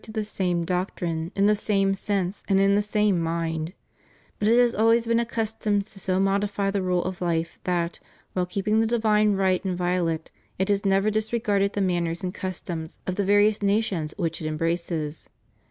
to the same doctrine, in the same sense and in the same mind: ^ but it has always been accustomed to so modify the rule of life that, while keeping the divine right in violate, it has never disregarded the manners and customs of the various nations which it embraces.